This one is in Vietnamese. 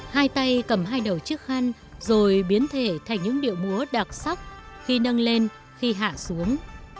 hai tay cầm hai đầu chiếc khăn rồi biến thể thành những điệu múa đặc sắc khi nâng lên khi hạ xuống